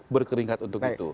berkeringkat untuk itu